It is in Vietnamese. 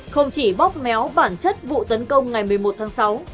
không chỉ bóp méo bản chất vụ tấn công ngày một mươi một tháng sáu